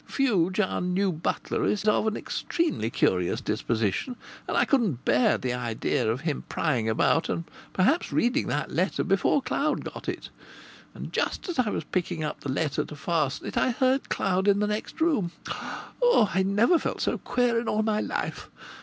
Fuge, our new butler, is of an extremely curious disposition, and I couldn't bear the idea of him prying about and perhaps reading that letter before Cloud got it. And just as I was picking up the letter to fasten it I heard Cloud in the next room. Oh! I never felt so queer in all my life!